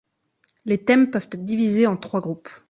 Les thèmes peuvent être divisés en trois groupes.